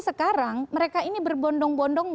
sekarang mereka ini berbondong bondong